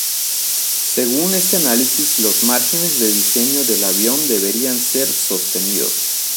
Según este análisis los márgenes de diseño del avión deberían ser sostenidos.